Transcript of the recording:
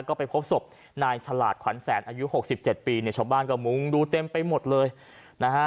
ก็ไปพบศพนายฉลาดขวัญแสนอายุหกสิบเจ็ดปีเนี่ยชาวบ้านก็มุงดูเต็มไปหมดเลยนะฮะ